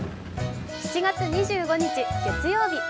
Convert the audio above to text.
７月２５日、月曜日。